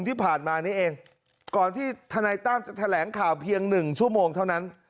ที่ผ่านมานี้เองก่อนที่ทนายตั้มจะแถลงข่าวเพียงหนึ่งชั่วโมงเท่านั้น